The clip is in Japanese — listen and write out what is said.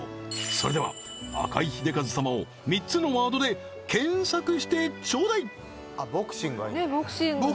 それでは赤井英和様を３つのワードで検索してちょうだいボクシングはいいんだ？